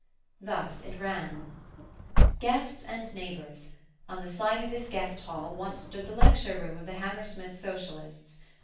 Thus it ran: "Guests and neighbours, on the site of this Guest hall once stood the lecture room of the Hammersmith Socialists.